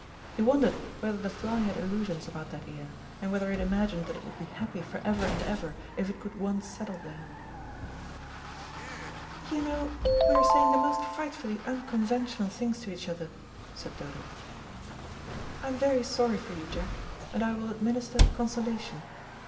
He wondered whether the fly had illusions about that ear, and whether it imagined that it would be happy for ever and ever, if it could once settle there. "You know we are saying the most frightfully unconventional things to each other," said Dodo. "I am very sorry for you, Jack, and I will administer consolation.